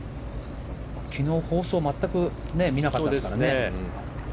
昨日、放送で全く見なかったからね。